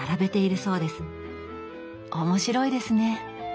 面白いですね